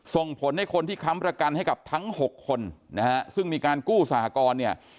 ส่งผลให้คนที่ค้ำประกันให้กับทั้ง๖คนนะฮะซึ่งมีการกู้สหกรณ์เนี่ย